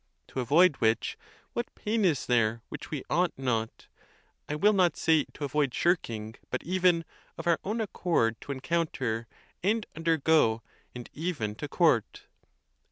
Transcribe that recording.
'To avoid which, what pain is there which we ought not (I will not say to avoid shirking, but even) of our own accord to encounter, and undergo, and even to court